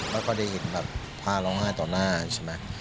แล้วก็ได้เห็นแบบภาพร้องไห้ต่อหน้าใช่ไหม